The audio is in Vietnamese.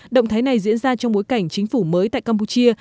động thái này diễn ra trong bối cảnh chính phủ mới tại campuchia